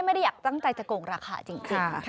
ไม่ได้อยากตั้งใจจะโกงราคาจริง